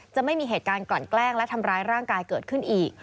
ไม่มีเหตุการณ์กลั่นแกล้งและทำร้ายร่างกายเกิดขึ้นอีก